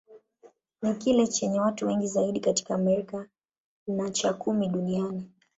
Ni kile chenye watu wengi zaidi katika Amerika, na cha kumi duniani.